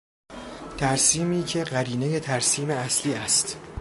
ترسیمی که قرینهی ترسیم اصلی است.